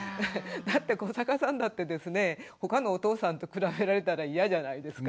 だって古坂さんだってですねほかのお父さんと比べられたらいやじゃないですか？